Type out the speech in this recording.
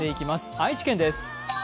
愛知県です。